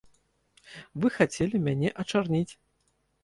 Вы хацелі мяне ачарніць?